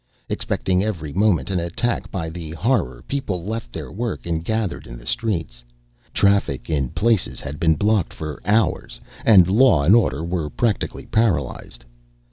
Expecting every moment an attack by the Horror, people left their work and gathered in the streets. Traffic, in places, had been blocked for hours and law and order were practically paralyzed.